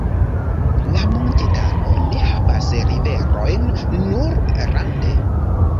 La montetaro ne havas riverojn, nur rande.